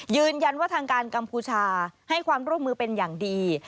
ยืนยันว่าทางการกัมพูชาให้ความร่วมมือเป็นอย่างดี